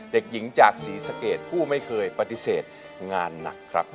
เด็กหญิงจากศรีสะเกดผู้ไม่เคยปฏิเสธงานหนักครับ